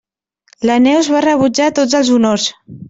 La Neus va rebutjar tots els honors.